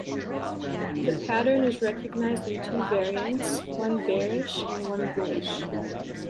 The pattern is recognized in two variants, one bearish and one bullish.